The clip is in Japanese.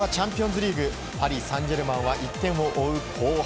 ヨーロッパチャンピオンズリーグパリ・サンジェルマンは１点を追う後半。